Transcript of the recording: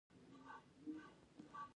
خبره مې وغځول: جاهله، بیکاره او ناپوه.